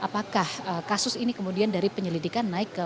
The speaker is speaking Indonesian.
selain itu sudah biasanya menjadi pemeriksaan zaman dan penghujang